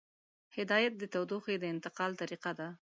هدایت د تودوخې د انتقال طریقه ده.